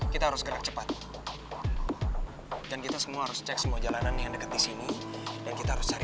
kita harus gerak cepat dan kita semua harus cek semua jalanan yang dekat disini dan kita harus cari